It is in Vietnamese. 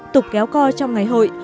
tục kéo co trong ngày hội